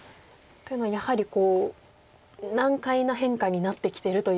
というのはやはり難解な変化になってきてるという。